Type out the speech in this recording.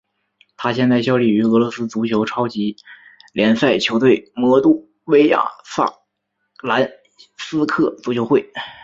他现在效力于俄罗斯足球超级联赛球队摩度维亚萨兰斯克足球会。